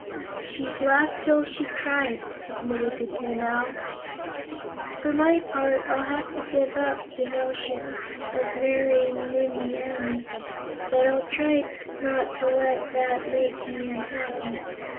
"She'd laugh till she cried," admitted the Tin Owl. "For my part, I'll have to give up the notion of marrying Nimmie Amee, but I'll try not to let that make me unhappy.